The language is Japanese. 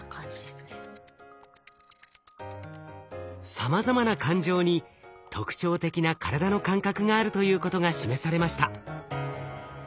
さまざまな感情に特徴的な体の感覚があるということが示されました。